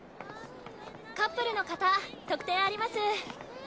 カップルの方特典あります。